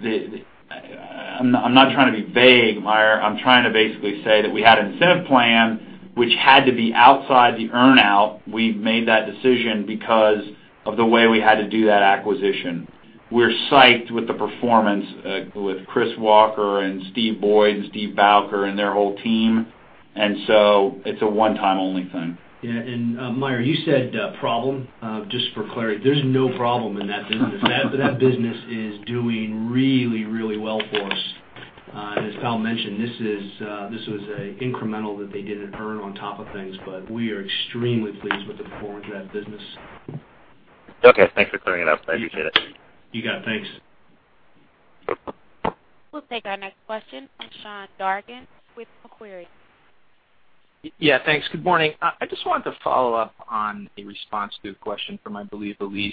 I'm not trying to be vague, Meyer, I'm trying to basically say that we had an incentive plan which had to be outside the earn-out. We've made that decision because of the way we had to do that acquisition. We're psyched with the performance with Chris Walker and Steve Boyd and Steve Bowker and their whole team. It's a one-time only thing. Yeah. Meyer, you said problem. Just for clarity, there's no problem in that business. That business is doing really well for us. As Powell mentioned, this was incremental that they didn't earn on top of things. We are extremely pleased with the performance of that business. Okay. Thanks for clearing it up. I appreciate it. You got it. Thanks. We'll take our next question from Sean Dargan with Macquarie. Yeah, thanks. Good morning. I just wanted to follow up on a response to a question from, I believe, Elyse.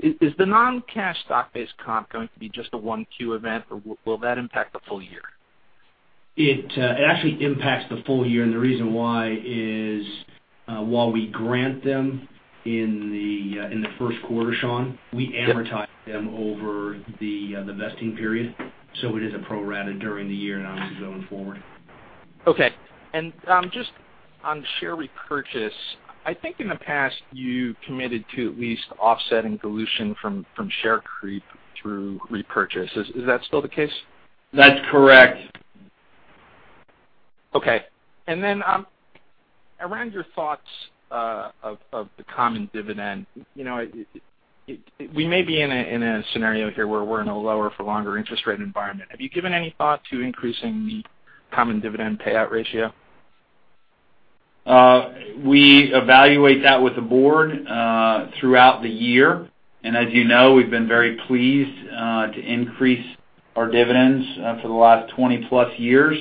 Is the non-cash stock-based comp going to be just a one Q event, or will that impact the full year? It actually impacts the full year, the reason why is, while we grant them in the first quarter, Sean, we amortize them over the vesting period. It is a pro rata during the year and obviously going forward. Okay. Just on share repurchase, I think in the past, you committed to at least offsetting dilution from share creep through repurchase. Is that still the case? That's correct. Okay. Around your thoughts of the common dividend. We may be in a scenario here where we're in a lower for longer interest rate environment. Have you given any thought to increasing the common dividend payout ratio? We evaluate that with the board throughout the year. As you know, we've been very pleased to increase our dividends for the last 20-plus years.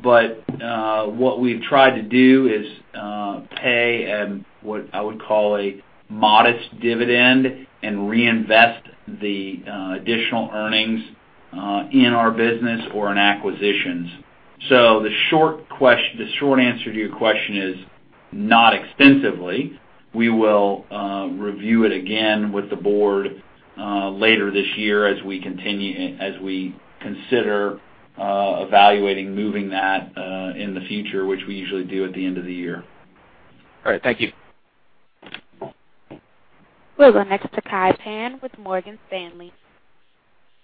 What we've tried to do is pay what I would call a modest dividend and reinvest the additional earnings in our business or in acquisitions. The short answer to your question is not extensively. We will review it again with the board later this year as we consider evaluating moving that in the future, which we usually do at the end of the year. All right. Thank you. We'll go next to Kai Pan with Morgan Stanley.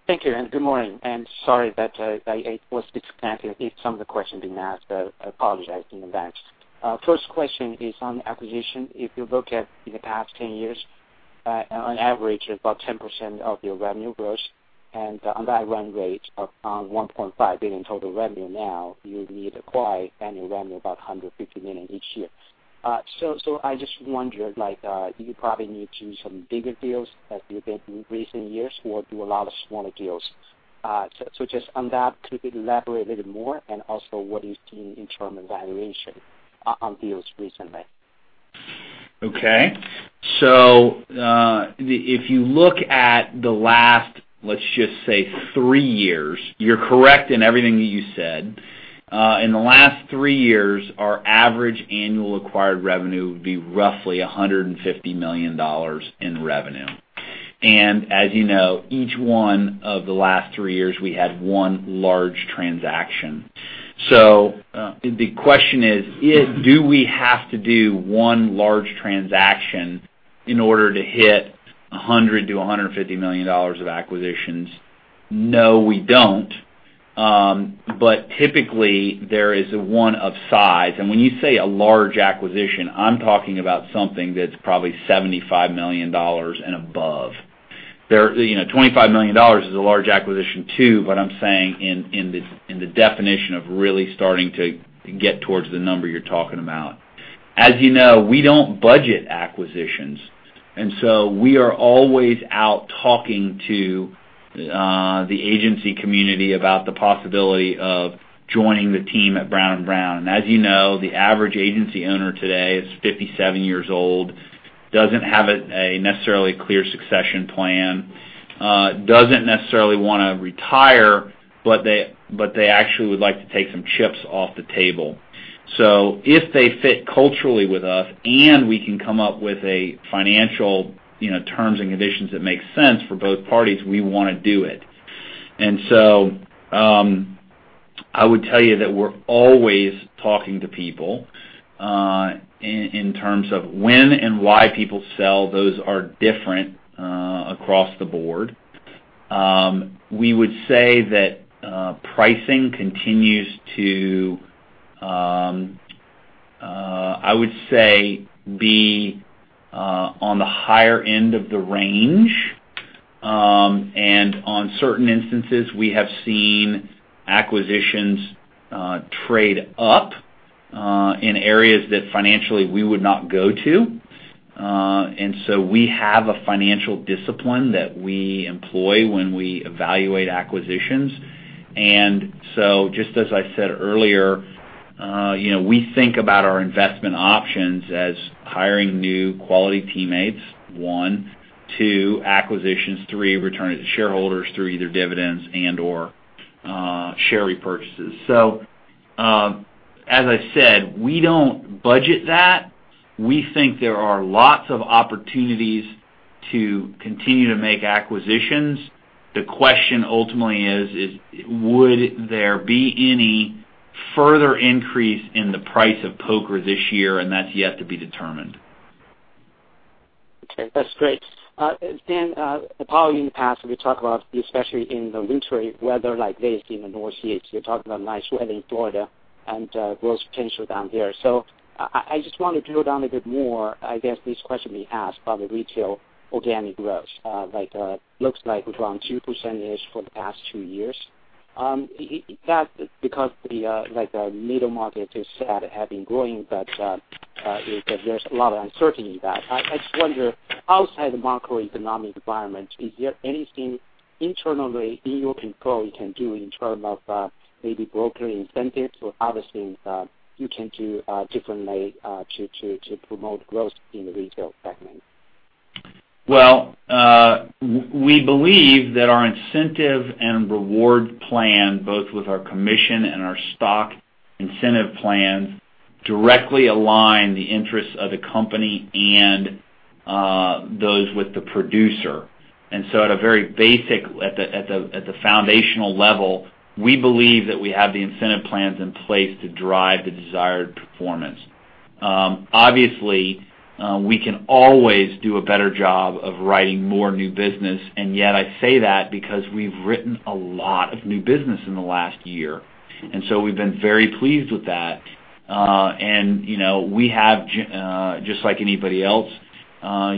Thank you, good morning. Sorry if I was repetitive if some of the questions being asked. I apologize in advance. First question is on acquisition. If you look at the past 10 years, on average, about 10% of your revenue growth and on that run rate of $1.5 billion total revenue now, you need to acquire annual revenue about $150 million each year. I just wonder, do you probably need to do some bigger deals as you did in recent years, or do a lot of smaller deals? Just on that, could you elaborate a little more, and also what are you seeing in terms of valuation on deals recently? Okay. If you look at the last, let's just say three years, you're correct in everything that you said. In the last three years, our average annual acquired revenue would be roughly $150 million in revenue. As you know, each one of the last three years, we had one large transaction. The question is: Do we have to do one large transaction in order to hit $100 million-$150 million of acquisitions? No, we don't. Typically, there is one of size. When you say a large acquisition, I'm talking about something that's probably $75 million and above. $25 million is a large acquisition too, but I'm saying in the definition of really starting to get towards the number you're talking about. As you know, we don't budget acquisitions, we are always out talking to the agency community about the possibility of joining the team at Brown & Brown. As you know, the average agency owner today is 57 years old, doesn't have a necessarily clear succession plan, doesn't necessarily want to retire, but they actually would like to take some chips off the table. If they fit culturally with us and we can come up with financial terms and conditions that make sense for both parties, we want to do it. I would tell you that we're always talking to people. In terms of when and why people sell, those are different across the board. We would say that pricing continues to, I would say, be on the higher end of the range. On certain instances, we have seen acquisitions trade up in areas that financially we would not go to. We have a financial discipline that we employ when we evaluate acquisitions. Just as I said earlier, we think about our investment options as hiring new quality teammates, one, two, acquisitions, three, return shareholders through either dividends and/or share repurchases. As I said, we don't budget that. We think there are lots of opportunities to continue to make acquisitions. The question ultimately is, would there be any further increase in the price of poker this year? That's yet to be determined. Okay, that's great. Powell, in the past, we talk about, especially in the wintery weather like this in the Northeast, you're talking about nice weather in Florida and growth potential down there. I just want to drill down a bit more, I guess, this question being asked about the retail organic growth. Looks like it's around 2% ish for the past two years. Because the middle market is said had been growing, but there's a lot of uncertainty there. I just wonder, outside the macroeconomic environment, is there anything internally in your control you can do in term of maybe broker incentives or other things that you can do differently to promote growth in the retail segment? We believe that our incentive and reward plan, both with our commission and our stock incentive plans, directly align the interests of the company and those with the producer. At a very basic, at the foundational level, we believe that we have the incentive plans in place to drive the desired performance. Obviously, we can always do a better job of writing more new business, yet I say that because we've written a lot of new business in the last year, so we've been very pleased with that. We have, just like anybody else,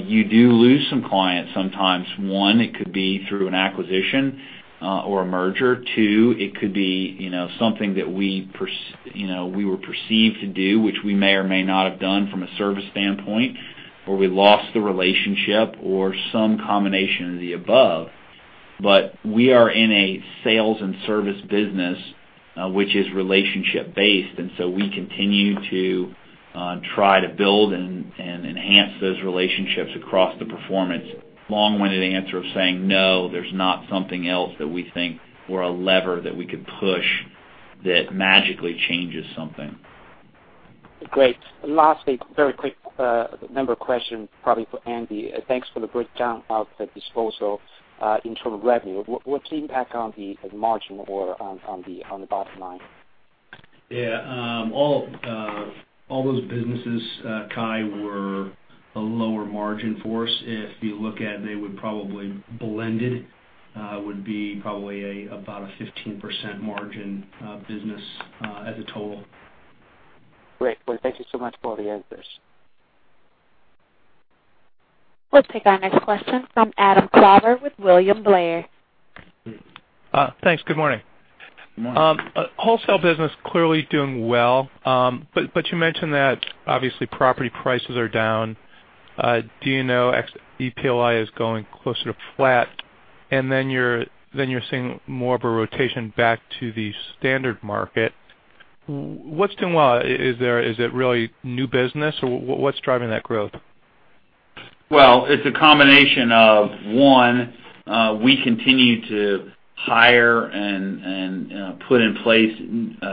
you do lose some clients sometimes. One, it could be through an acquisition or a merger. Two, it could be something that we were perceived to do, which we may or may not have done from a service standpoint, or we lost the relationship or some combination of the above. We are in a sales and service business, which is relationship based, and so we continue to try to build and enhance those relationships across the performance. Long-winded answer of saying, no, there's not something else that we think or a lever that we could push that magically changes something. Great. Lastly, very quick number question, probably for Andy. Thanks for the breakdown of the disposal in total revenue. What's the impact on the margin or on the bottom line? All those businesses, Kai, were a lower margin for us. If you look at they would probably blended, would be probably about a 15% margin business as a total. Great. Well, thank you so much for the answers. We'll take our next question from Adam Klauber with William Blair. Thanks. Good morning. Good morning. Wholesale business clearly doing well, you mentioned that obviously property prices are down. Do you know if the PL is going closer to flat, you're seeing more of a rotation back to the standard market. What's doing well? Is it really new business, or what's driving that growth? Well, it's a combination of, one, we continue to hire and put in place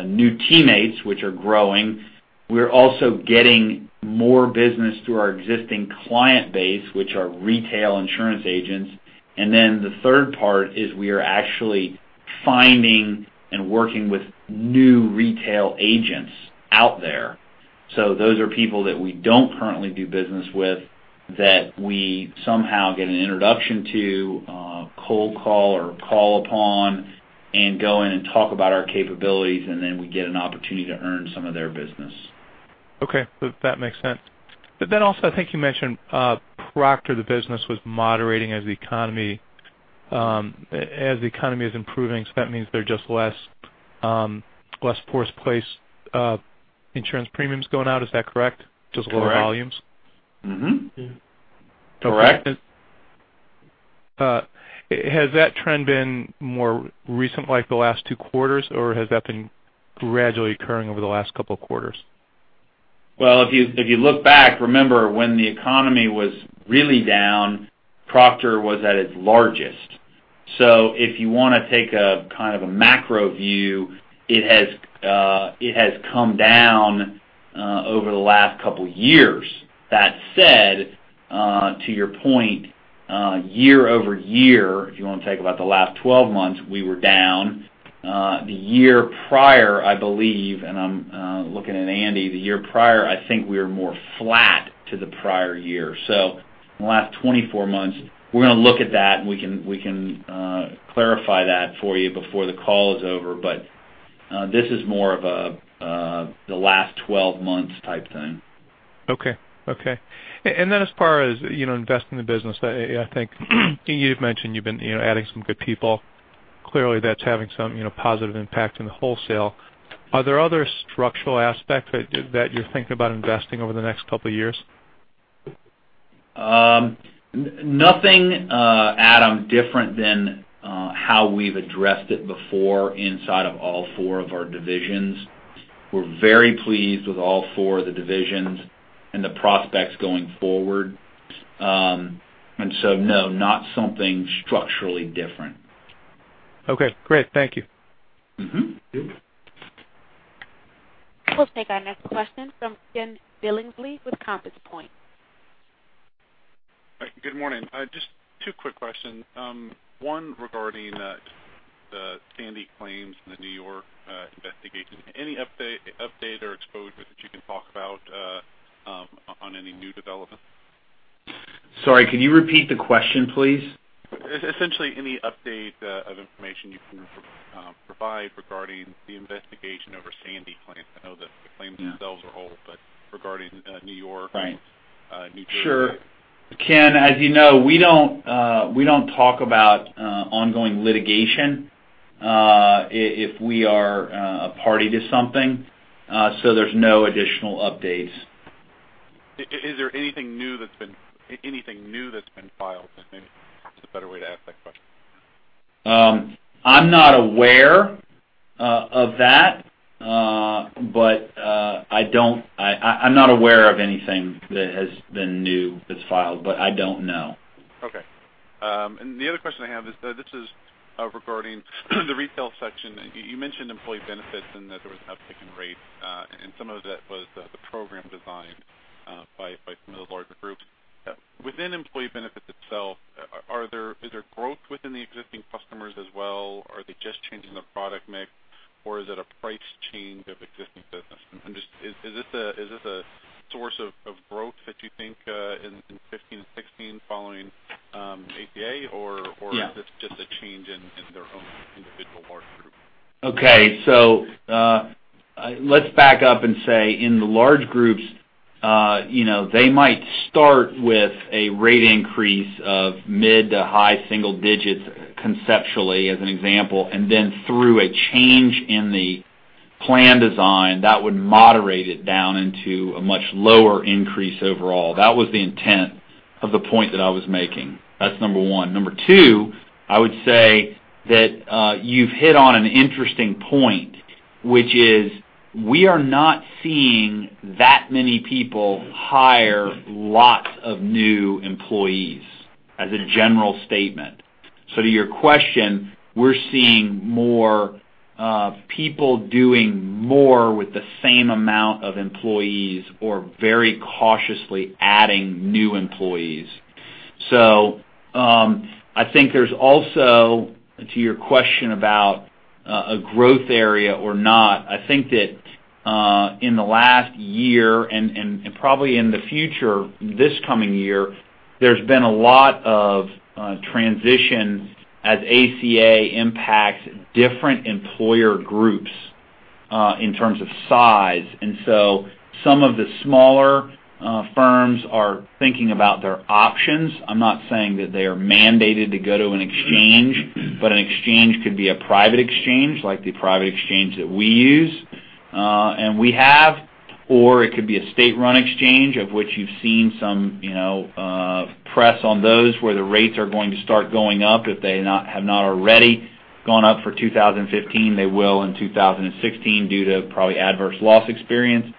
new teammates, which are growing. We're also getting more business through our existing client base, which are retail insurance agents. The third part is we are actually finding and working with new retail agents out there. Those are people that we don't currently do business with, that we somehow get an introduction to, cold call, or call upon, and go in and talk about our capabilities, we get an opportunity to earn some of their business. Okay. That makes sense. Also, I think you mentioned Proctor, the business was moderating as the economy is improving. That means there are just less force-placed insurance premiums going out. Is that correct? Correct. Just lower volumes. Correct. Has that trend been more recent, like the last two quarters, or has that been gradually occurring over the last couple of quarters? If you look back, remember, when the economy was really down, Proctor was at its largest. If you want to take a kind of a macro view, it has come down over the last couple years. That said, to your point, year-over-year, if you want to take about the last 12 months, we were down. The year prior, I believe, and I'm looking at Andy, the year prior, I think we were more flat to the prior year. In the last 24 months, we're going to look at that, and we can clarify that for you before the call is over. This is more of the last 12 months type thing. Okay. As far as investing in the business, I think you've mentioned you've been adding some good people. Clearly, that's having some positive impact in the wholesale. Are there other structural aspects that you're thinking about investing over the next couple of years? Nothing, Adam, different than how we've addressed it before inside of all four of our divisions. We're very pleased with all four of the divisions and the prospects going forward. No, not something structurally different. Okay, great. Thank you. We'll take our next question from Ken Billingsley with Compass Point. Good morning. Just two quick questions. One regarding the Sandy claims and the New York investigation. Any update or exposure that you can talk about on any new development? Sorry, can you repeat the question, please? Essentially, any update of information you can provide regarding the investigation over Superstorm Sandy claims. I know that the claims themselves are old, but regarding New York- Right New Jersey. Sure. Ken, as you know, we don't talk about ongoing litigation if we are a party to something. There's no additional updates. Is there anything new that's been filed? Maybe that's a better way to ask that question. I'm not aware of that. I'm not aware of anything that has been new that's filed, but I don't know. Okay. The other question I have is regarding the retail section. You mentioned employee benefits and that there was an uptick in rates, and some of that was the program design by some of the larger groups. Within employee benefits itself, is there growth within the existing customers as well? Are they just changing the product mix, or is it a price change of existing business? Is this a source of growth that you think in 2015 and 2016 following ACA? Yeah Is this just a change in their own individual large group? Let's back up and say, in the large groups, they might start with a rate increase of mid to high single digits conceptually, as an example, and then through a change in the plan design, that would moderate it down into a much lower increase overall. That was the intent of the point that I was making. That's number one. Number two, I would say that you've hit on an interesting point, which is we are not seeing that many people hire lots of new employees, as a general statement. To your question, we're seeing more people doing more with the same amount of employees, or very cautiously adding new employees. I think there's also, to your question about a growth area or not, I think that in the last year and probably in the future, this coming year, there's been a lot of transition as ACA impacts different employer groups in terms of size. Some of the smaller firms are thinking about their options. I'm not saying that they are mandated to go to an exchange, but an exchange could be a private exchange, like the private exchange that we use. We have, or it could be a state-run exchange, of which you've seen some press on those, where the rates are going to start going up. If they have not already gone up for 2015, they will in 2016 due to probably adverse loss experience.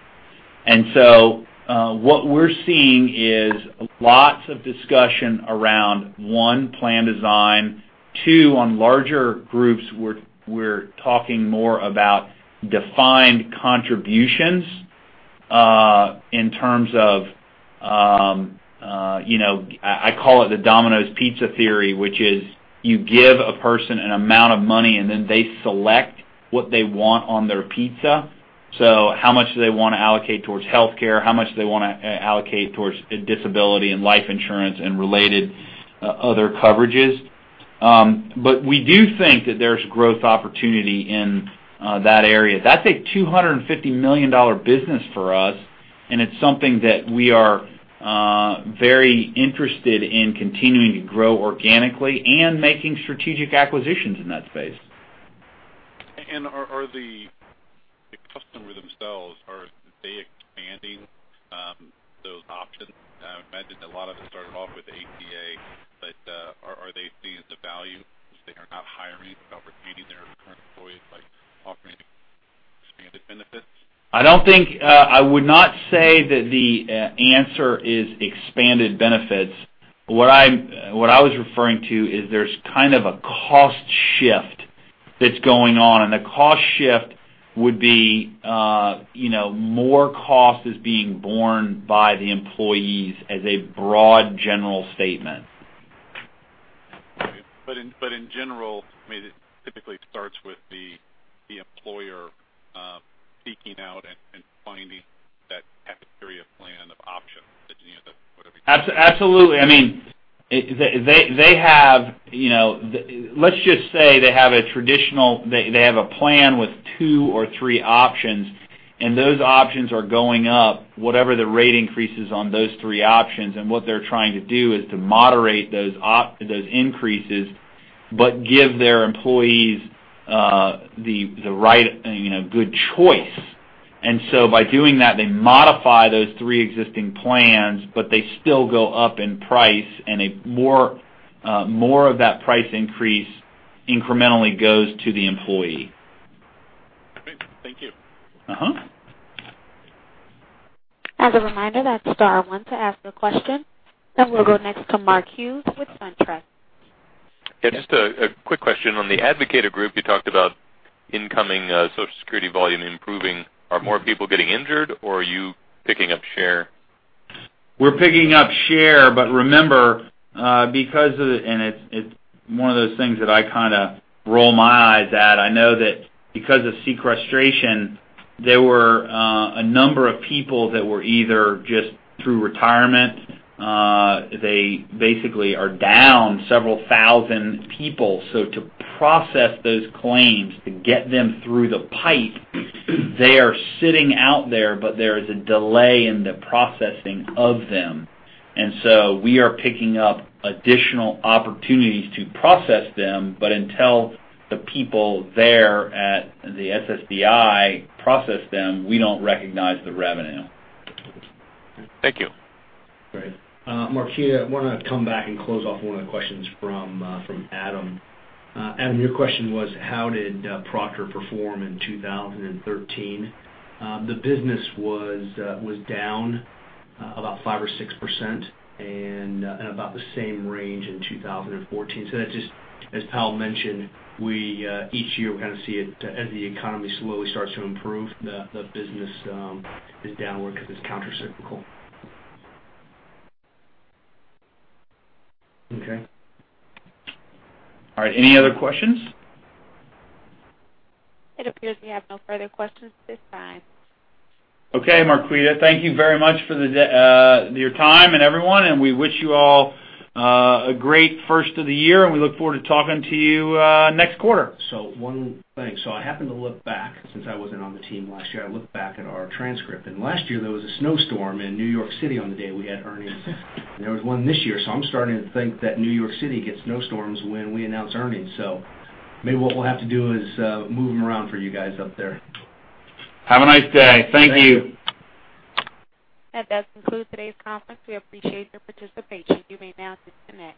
What we're seeing is lots of discussion around, one, plan design. Two, on larger groups, we're talking more about defined contributions in terms of I call it the Domino's Pizza theory, which is you give a person an amount of money, and then they select what they want on their pizza. How much do they want to allocate towards healthcare? How much do they want to allocate towards disability and life insurance and related other coverages? We do think that there's growth opportunity in that area. That's a $250 million business for us, and it's something that we are very interested in continuing to grow organically and making strategic acquisitions in that space. Are the customers themselves, are they expanding those options? I imagine a lot of it started off with the ACA, are they seeing the value, which they are not hiring, but retaining their current employees by offering expanded benefits? I would not say that the answer is expanded benefits. What I was referring to is there's kind of a cost shift that's going on, and the cost shift would be more cost is being borne by the employees as a broad general statement. In general, it typically starts with the employer seeking out and finding that cafeteria plan of options that you end up with. Absolutely. Let's just say they have a plan with two or three options, and those options are going up, whatever the rate increase is on those three options. What they're trying to do is to moderate those increases but give their employees the right and good choice. By doing that, they modify those three existing plans, but they still go up in price, and more of that price increase incrementally goes to the employee. Great. Thank you. As a reminder, that's star one to ask a question. We'll go next to Mark Hughes with SunTrust. Yeah, just a quick question. On The Advocator Group, you talked about incoming Social Security volume improving. Are more people getting injured, or are you picking up share? We're picking up share. Remember, it's one of those things that I kind of roll my eyes at. I know that because of sequestration, there were a number of people that were either just through retirement, they basically are down several thousand people. To process those claims, to get them through the pipe, they are sitting out there is a delay in the processing of them. We are picking up additional opportunities to process them, until the people there at the SSDI process them, we don't recognize the revenue. Thank you. Great. Marquita, I want to come back and close off one of the questions from Adam. Adam, your question was, how did Proctor perform in 2013? The business was down about 5% or 6% and about the same range in 2014. That's just as Powell mentioned, each year, we kind of see it as the economy slowly starts to improve, the business is downward because it's countercyclical. Okay. All right. Any other questions? It appears we have no further questions at this time. Okay, Marquita, thank you very much for your time, and everyone, and we wish you all a great first of the year, and we look forward to talking to you next quarter. One thing. I happened to look back since I wasn't on the team last year. I looked back at our transcript, Last year, there was a snowstorm in New York City on the day we had earnings. There was one this year. I'm starting to think that New York City gets snowstorms when we announce earnings. Maybe what we'll have to do is move them around for you guys up there. Have a nice day. Thank you. Thank you. That concludes today's conference. We appreciate your participation. You may now disconnect.